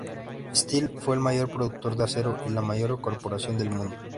Steel fue el mayor productor de acero y la mayor corporación del mundo.